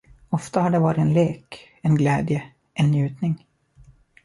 Ofta har det varit en lek, en glädje, en njutning.